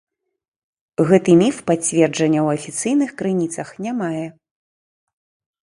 Гэты міф пацверджання ў афіцыйных крыніцах не мае.